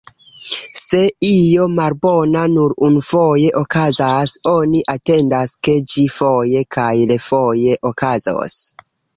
Se io malbona nur unufoje okazas, oni atendas, ke ĝi foje kaj refoje okazos.